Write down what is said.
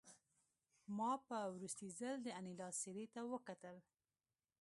ما په وروستي ځل د انیلا څېرې ته وکتل